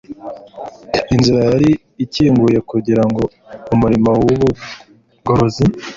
inzira yari ikinguwe kugira ngo umurimo wubugorozi